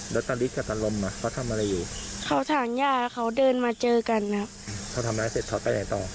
รถตะลิกกับตะลมอ่ะเขาทำอะไรอยู่เขาทางย่าเขาเดินมาเจอกันอ่ะเขาทำอะไรเสร็จเขาไปไหนต่อ